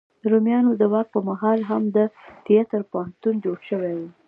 د روميانو د واک په مهال هم د تیاتر پوهنتون جوړ شوی و.